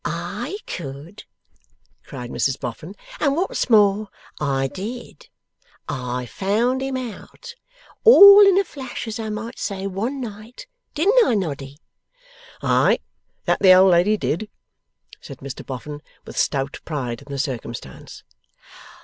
'I could,' cried Mrs Boffin, 'and what's more, I did! I found him out, all in a flash as I may say, one night. Didn't I, Noddy?' 'Ay! That the old lady did!' said Mr Boffin, with stout pride in the circumstance.